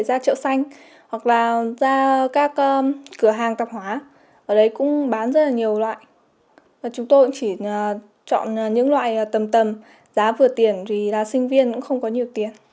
chúng tôi cũng chỉ chọn những loại tầm tầm giá vừa tiền thì là sinh viên cũng không có nhiều tiền